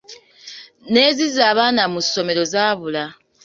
N’ezizza abaana mu ssomero zaabula.